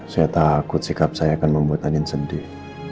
saya takut sikap saya akan membuat angin sedih